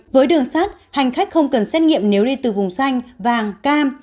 với đường sát hành khách không cần xét nghiệm nếu đi từ vùng xanh vàng cam